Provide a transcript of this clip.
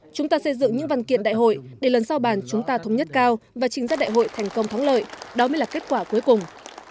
chúng ta xây dựng những văn kiện đại hội để lần sau bàn chúng ta thống nhất cao và trình giác đại hội thành công thắng lợi đó mới là kết quả cuối cùng